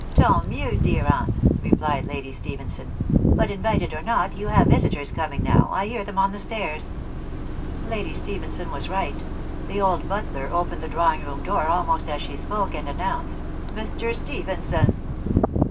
a Tant mieua, dear aunt !" replied Lady Stephenson. " But, invited or not/ yon have visitors coming now : 1 hear them on the stairs. Lady Stephenson was right; the old butler opened die drawing room door almost as she spoke, and announced " Mr. Stephenson !"